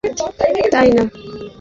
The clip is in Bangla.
অনেক টাকাই তো তুলেছি আমরা, তাই না?